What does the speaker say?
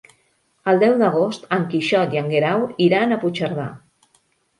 El deu d'agost en Quixot i en Guerau iran a Puigcerdà.